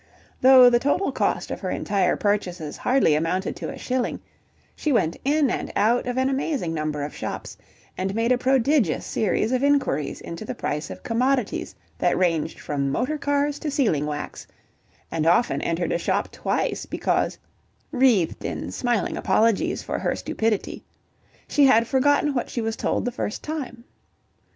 Though the total cost of her entire purchases hardly amounted to a shilling, she went in and out of an amazing number of shops, and made a prodigious series of inquiries into the price of commodities that ranged from motor cars to sealing wax, and often entered a shop twice because (wreathed in smiling apologies for her stupidity) she had forgotten what she was told the first time.